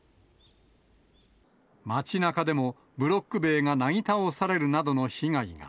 街なかでも、ブロック塀がなぎ倒されるなどの被害が。